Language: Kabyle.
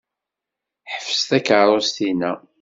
Ḥbes takeṛṛust-inna.